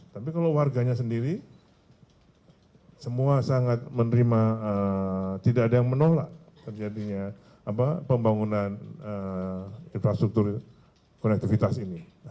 tapi kalau warganya sendiri semua sangat menerima tidak ada yang menolak terjadinya pembangunan infrastruktur konektivitas ini